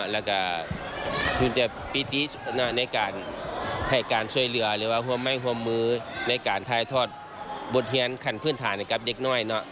แล้วก็พิธีในการให้การช่วยเรือหรือว่าห่วงแม่ห่วงมือในการทายทอดบทเทียนขันพื้นฐานกับเด็กน้อย